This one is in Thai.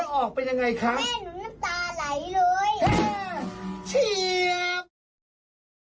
แล้วพอหวยออกเป็นยังไงคะแม่หนูน้ำตาไหลเลย